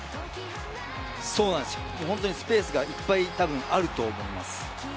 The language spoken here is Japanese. スペースがいっぱいあると思います。